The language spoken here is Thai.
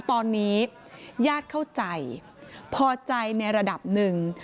ตอนนี้ญาติเข้าใจพอใจในระดับหนึ่ง